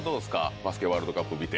バスケットワールドカップ見て。